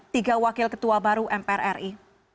tiga wakil ketua baru mpr ri